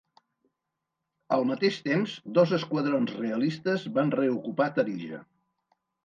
Al mateix temps, dos esquadrons realistes van reocupar Tarija.